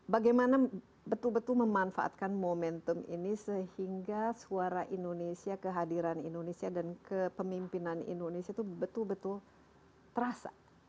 bagaimana betul betul memanfaatkan momentum ini sehingga suara indonesia kehadiran indonesia dan kepemimpinan indonesia itu betul betul terasa